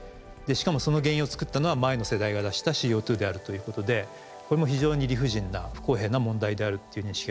しかもその原因を作ったのは前の世代が出したＣＯであるということでこれも非常に理不尽な不公平な問題であるっていう認識が必要だと思います。